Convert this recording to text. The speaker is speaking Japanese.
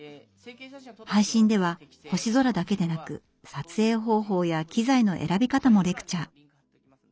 配信では星空だけでなく撮影方法や機材の選び方もレクチャー。